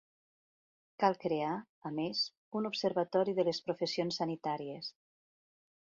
Cal crear, a més, un observatori de les professions sanitàries.